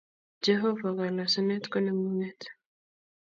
Jehova kolosunet koneng’ung’et